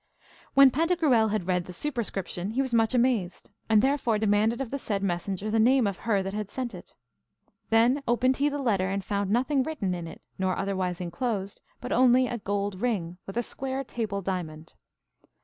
When Pantagruel had read the superscription he was much amazed, and therefore demanded of the said messenger the name of her that had sent it. Then opened he the letter, and found nothing written in it, nor otherwise enclosed, but only a gold ring, with a square table diamond.